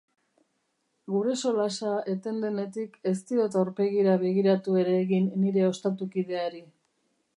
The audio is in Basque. Gure solasa eten denetik ez diot aurpegira begiratu ere egin nire ostatukideari.